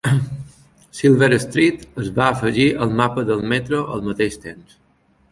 Silver Street es va afegir al mapa del metro al mateix temps.